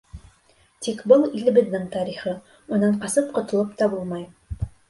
Тик был — илебеҙҙең тарихы, унан ҡасып ҡотолоп та булмай.